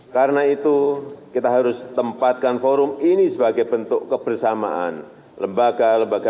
karena itu kita harus tempatkan forum ini sebagai bentuk kebersamaan lembaga lembaga